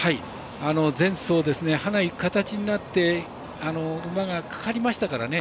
前走、ハナ行く形になって馬が、かかりましたからね。